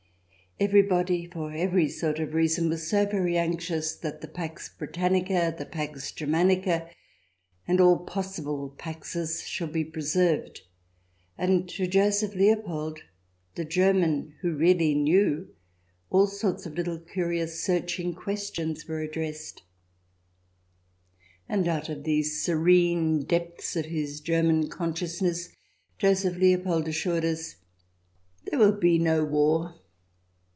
Everybody, for every sort of reason, was so very anxious that the Pax Britannica, the Pax Germanica, and all possible Paxes should be preserved. And to Joseph Leo pold, the German who really knew, all sorts of little curious searching questions were addressed. And out of the serene depths of his German conscious ness Joseph Leopold assured us :" There will be no war